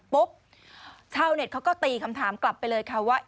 ชาวเน็ตเขาก็ตีคำถามกลับไปเลยค่ะว่า